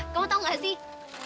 kau tau kaga sih